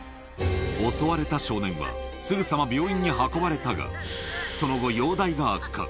襲われた少年は、すぐさま病院に運ばれたが、その後、容体が悪化。